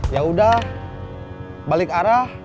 yaudah balik arah